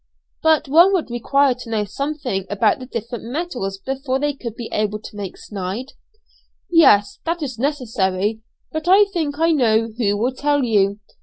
"But one would require to know something about the different metals before they could be able to make 'snyde.'" "Yes, that is necessary, but I think I know who will tell you.